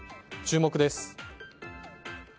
注目です。